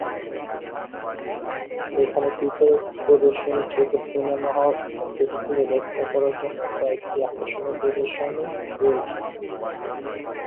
এখানে পৃথক প্রদর্শনী, ছোট সিনেমা হল এবং প্রযুক্তিকে ব্যাখ্যা করার জন্য কয়েকটি আকর্ষণীয় প্রদর্শনী রয়েছে।